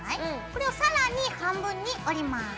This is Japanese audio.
これを更に半分に折ります。